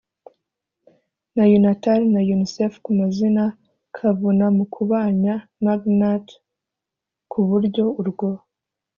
na unitar na unicef ku mazina kavuna mukubanya magnat ku buryo urwo